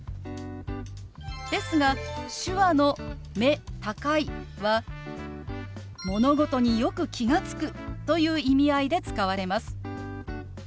ですが手話の「目高い」は「物事によく気が付く」という意味合いで使われます。